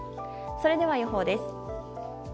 それでは、予報です。